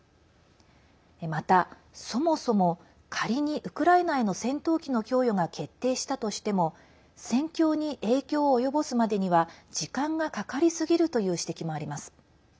また、そもそも仮にウクライナへの戦闘機の供与が決定したとしても戦況に影響を及ぼすまでには時間がかかりすぎるという指摘もあります。